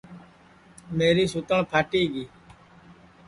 میری سُوتٹؔ پھاٹی گی